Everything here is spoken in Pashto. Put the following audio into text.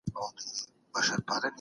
ګاونډیان به د بیان ازادي ساتي.